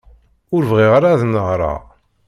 Ur bɣiɣ ara ad nehreɣ.